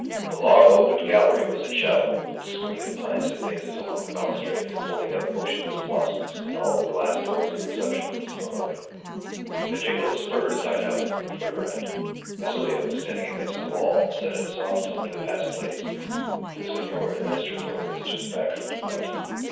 The long open gallery was in shadow, with its screen of plants in vases along the balustrade, holding out motionless blossoms, and all the glass doors of the reception rooms thrown open. A jingle of spurs died out at the further end. Basilio, standing aside against the wall, said in a soft tone to the passing ladies, "The Senor Administrador is just back from the mountain."